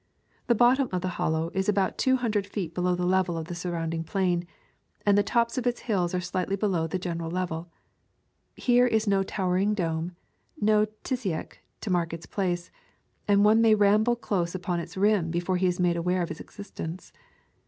The bottom of the Hollow is about two hundred feet below the level of the surrounding plain, and the tops of its hills are slightly below the general level. Here is no towering dome, no Tissiack, to mark its place; and one may ramble close upon its rim before he is made aware of its existence.